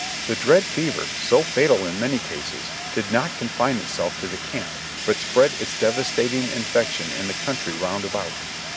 The dread fever, so fatal in many cases, did not confine itself to the camp, but spread its devastating infection in the country round about.